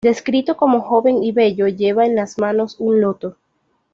Descrito como joven y bello, lleva en las manos un loto.